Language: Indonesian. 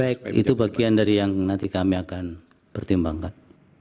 baik itu bagian dari yang nanti kami akan pertimbangkan